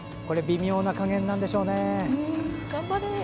微妙な加減なんでしょうね。